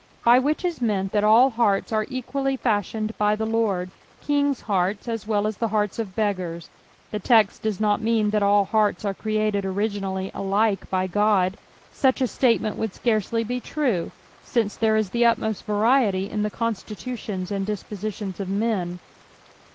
By which is meant that all hearts are equally fashioned by the Lord, kings' hearts as well as the hearts of beggars. The text does not mean that all hearts are created originally alike by God, mch a statement would scarcely be tru^jince there is the utmost variety in the constitutions and dispositions of men.